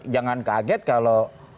jangan kaget kalau